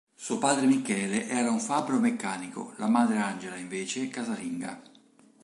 Suo padre Michele era un fabbro meccanico, la madre Angela, invece, casalinga.